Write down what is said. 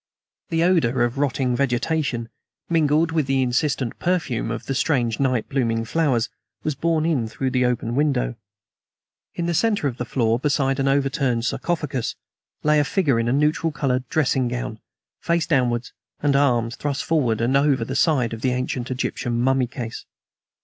The odor of rotting vegetation, mingled with the insistent perfume of the strange night blooming flowers, was borne in through the open window. In the center of the floor, beside an overturned sarcophagus, lay a figure in a neutral colored dressing gown, face downwards, and arms thrust forward and over the side of the ancient Egyptian mummy case.